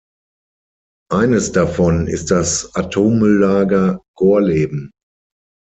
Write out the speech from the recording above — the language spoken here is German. Eines davon ist das Atommülllager Gorleben.